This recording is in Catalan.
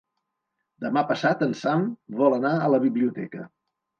Demà passat en Sam vol anar a la biblioteca.